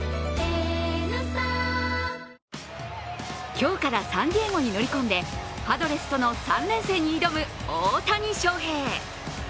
今日からサンディエゴに乗り込んでパドレスとの３連戦に挑む大谷翔平。